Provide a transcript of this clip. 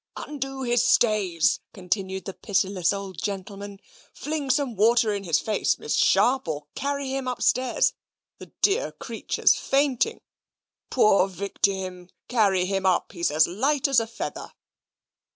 "Undo his stays!" continued the pitiless old gentleman. "Fling some water in his face, Miss Sharp, or carry him upstairs: the dear creature's fainting. Poor victim! carry him up; he's as light as a feather!"